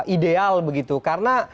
ideal begitu karena